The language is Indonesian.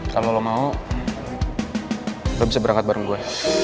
kalau lo mau lo bisa berangkat bareng gue